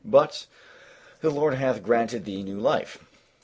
But the Lord hath granted thee new life."